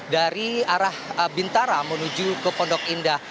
dari arah bintara menuju ke pondok indah